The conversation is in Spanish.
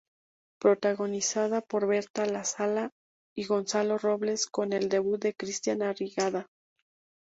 Protagonizada por Berta Lasala y Gonzalo Robles, con el debut de Cristián Arriagada.